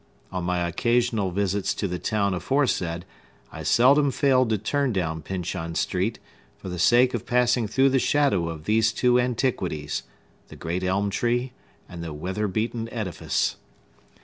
On my occasional visits to the town aforesaid, I seldom failed to turn down Pyncheon Street, for the sake of passing through the shadow of these two antiquities,—the great elm tree and the weather beaten edifice.